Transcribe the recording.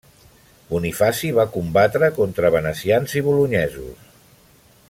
Bonifaci va combatre contra venecians i bolonyesos.